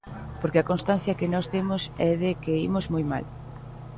Porque a constancia que nós temos é de que imos moi mal.